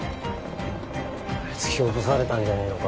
突き落とされたんじゃねえのか？